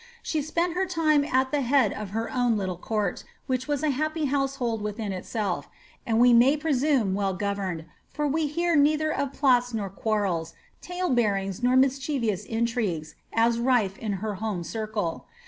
She •pent her time at the head of her own little court, which was a happy hooschold within itself, and we may presume well governed, for we hear Dfither of plots nor quarrels, tale bearings nor mischievous intrigues, as nir in her home circle.